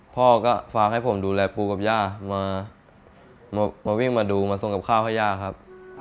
พ่อก็ฝากให้ผมดูแลปูกับย่ามาวิ่งมาดูมาส่งกับข้าวให้ย่าครับ